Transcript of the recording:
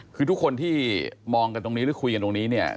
คือทุกคนที่มองกันตรงนี้หรือคุยกันตรงนี้เนี่ย